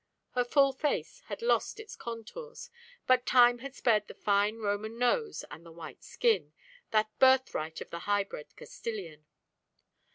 Her full face had lost its contours, but time had spared the fine Roman nose and the white skin, that birthright of the high bred Castilian.